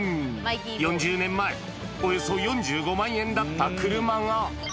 ４０年前、およそ４５万円だった車が。